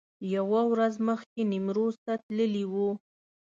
یوه ورځ مخکې نیمروز ته تللي و.